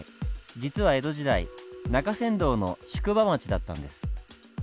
実は江戸時代中山道の宿場町だったんです。